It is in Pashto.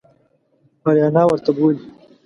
آریانا ورته بولي.